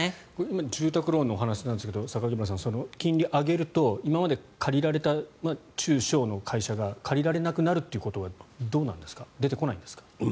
今、住宅ローンのお話なんですが榊原さん、金利を上げると今まで借りられた中小の会社が借りられなくなるということは出てこないんですか？